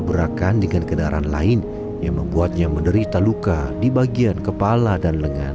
berakan dengan kendaraan lain yang membuatnya menderita luka di bagian kepala dan lengan